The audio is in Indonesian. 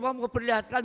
dan memiliki keuntungan